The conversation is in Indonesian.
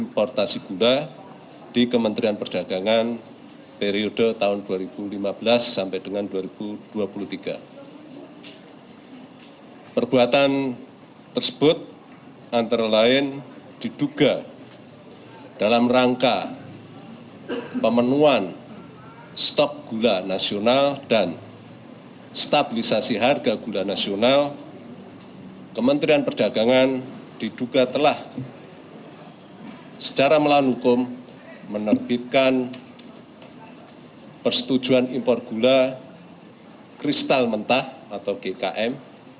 pemenuhan stok gula nasional dan stabilisasi harga gula nasional kementerian perdagangan diduga telah secara melawan hukum menerbitkan persetujuan impor gula kristal mentah atau gkm